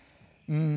うん。